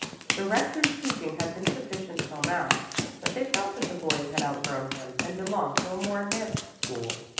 The Rector's teaching had been sufficient till now, but they felt that the boys had outgrown him and belonged to a more advanced school.